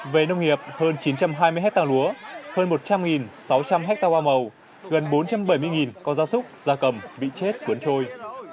về nông nghiệp hơn chín trăm hai mươi hectare lúa hơn một trăm linh sáu trăm linh hectare hoa màu gần bốn trăm bảy mươi con gia súc gia cầm bị chết cuốn trôi